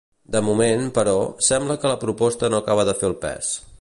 De moment, però, sembla que la proposta no acaba de fer el pes.